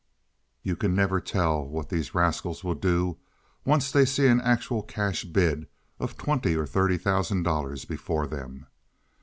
You never can tell what these rascals will do once they see an actual cash bid of twenty or thirty thousand dollars before them.